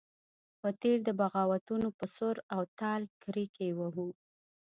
پر تېر د بغاوتونو پر سور او تال کرېږې وهو.